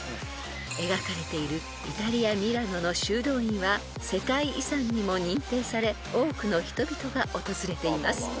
［描かれているイタリアミラノの修道院は世界遺産にも認定され多くの人々が訪れています］